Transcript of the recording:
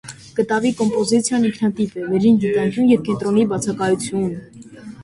Կտավի կոմպոզիցիան ինքնատիպ է. վերին դիտանկյուն և կենտրոնի բացակայություն։